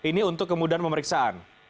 ini untuk kemudahan pemeriksaan